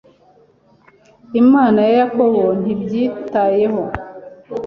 Imana ya Yakobo ntibyitayeho